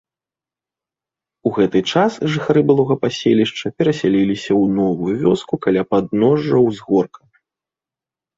У гэты час жыхары былога паселішча перасяліліся ў новую вёску каля падножжа ўзгорка.